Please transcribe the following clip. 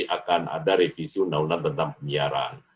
akan ada revisi undang undang tentang penyiaran